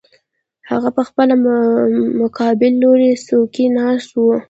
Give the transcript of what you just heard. هغه پخپله په مقابل لوري څوکۍ کې ناست و